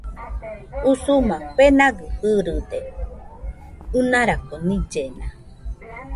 Usuma fenagɨ irɨde ɨnarako nillena